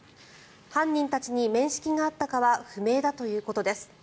犯人たちに面識があったかは不明だということです。